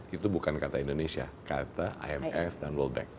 itu bukan kata indonesia kata imf dan world bank